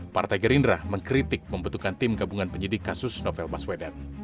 partai gerindra mengkritik membutuhkan tim gabungan penyidik kasus novel baswedan